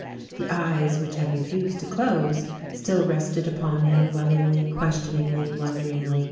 The eyes which had refused to close, still rested upon him, lovingly, questioningly, wonderingly.